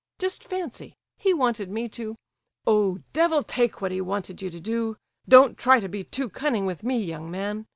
Just fancy—he wanted me to—" "Oh, devil take what he wanted you to do! Don't try to be too cunning with me, young man!"